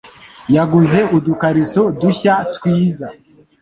yaguze udukariso dushya twiza.